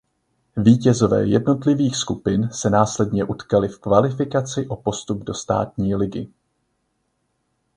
Vítězové jednotlivých skupin se následně utkaly v kvalifikaci o postup do Státní ligy.